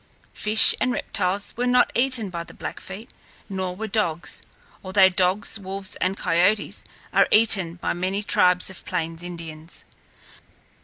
Fish and reptiles were not eaten by the Blackfeet, nor were dogs, although dogs, wolves, and coyotes are eaten by many tribes of plains Indians.